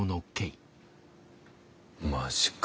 マジか。